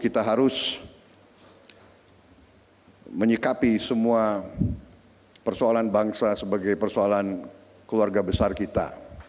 kita harus menyikapi semua persoalan bangsa sebagai persoalan keluarga besar kita